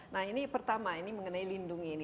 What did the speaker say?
nah ini pertama ini mengenai lindungi ini